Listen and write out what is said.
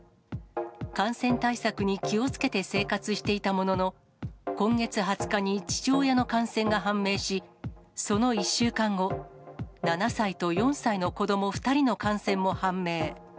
感染対策に気をつけて生活していたものの、今月２０日に父親の感染が判明し、その１週間後、７歳と４歳の子ども２人の感染も判明。